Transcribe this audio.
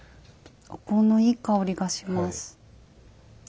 お香のいい香りがします。